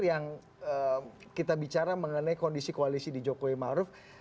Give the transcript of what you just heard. yang kita bicara mengenai kondisi koalisi di jokowi maruf